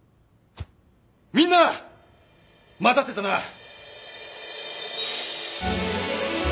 みんな待たせたな。